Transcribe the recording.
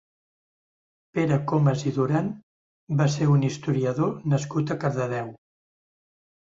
Pere Comas i Duran va ser un historiador nascut a Cardedeu.